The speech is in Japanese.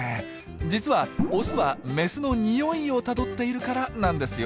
実はオスはメスのニオイをたどっているからなんですよ。